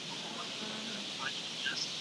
ایا ته د طبیعت د ښکلا په اړه فکر کوې؟